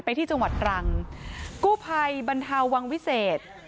ไปที่จังหวัดตรังกู้ภัยบรรเทาวังวิเศษ